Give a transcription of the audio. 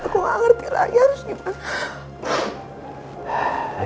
aku gak ngerti lah ya harus gimana